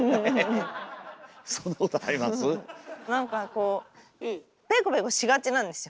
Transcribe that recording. なんかこうペコペコしがちなんですよ。